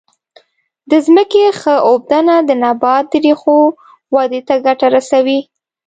د ځمکې ښه اوبدنه د نبات د ریښو ودې ته ګټه رسوي.